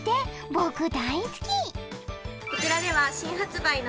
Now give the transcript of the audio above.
僕大好き！